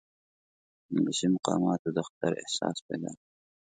انګلیسي مقاماتو د خطر احساس پیدا کړ.